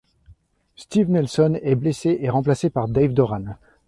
Steve Nelson est blessé et remplacé par Dave Doran.